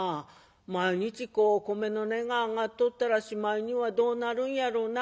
毎日こう米の値が上がっとったらしまいにはどうなるんやろうな」。